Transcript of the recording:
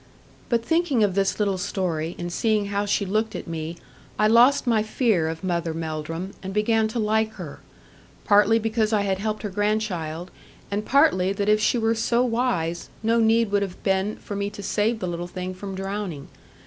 But thinking of this little story, and seeing how she looked at me, I lost my fear of Mother Melldrum, and began to like her; partly because I had helped her grandchild, and partly that if she were so wise, no need would have been for me to save the little thing from drowning.